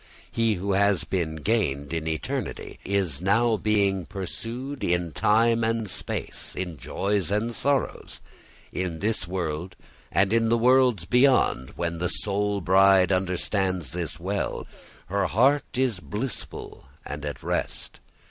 He who has been gained in eternity is now being pursued in time and space, in joys and sorrows, in this world and in the worlds beyond. When the soul bride understands this well, her heart is blissful and at rest.